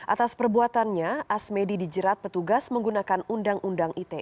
atas perbuatannya asmedi dijerat petugas menggunakan undang undang ite